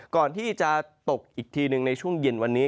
ก่อนที่จะตกอีกทีหนึ่งในช่วงเย็นวันนี้